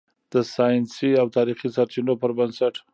د "ساینسي او تاریخي سرچینو" پر بنسټ